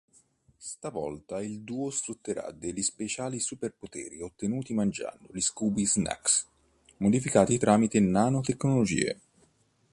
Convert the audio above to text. Stavolta il duo sfrutterà degli speciali superpoteri ottenuti mangiando Scooby-Nacks modificati tramite nanotecnologie.